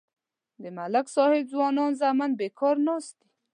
د ملک صاحب ځوانان زامن بیکار ناست دي.